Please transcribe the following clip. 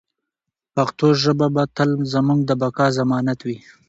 پښتو ژبه به تل زموږ د بقا ضمانت وي.